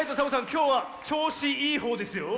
きょうはちょうしいいほうですよ。